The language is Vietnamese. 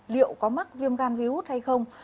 liệu có mắc viêm gan virus hay không